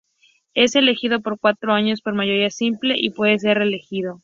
Es elegido por cuatro años por mayoría simple y puede ser reelegido.